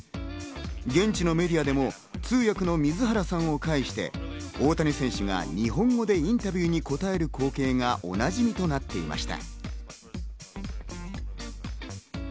現地のメディアでも通訳の水原さんを介して大谷選手が日本語でインタビューに答える光景がおなじみとなっていました。